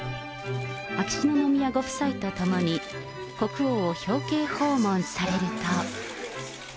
秋篠宮ご夫妻と共に国王を表敬訪問されると。